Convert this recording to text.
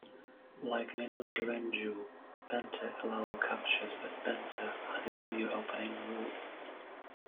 Like "ninuki-renju," Pente allow captures, but Pente added a new opening rule.